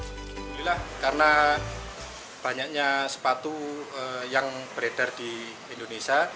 alhamdulillah karena banyaknya sepatu yang beredar di indonesia